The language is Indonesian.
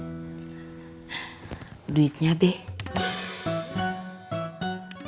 kan gininya nih kalau ada lu